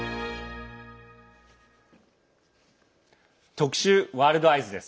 特集「ワールドＥＹＥＳ」。